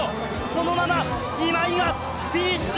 そのまま今井がフィニッシュ！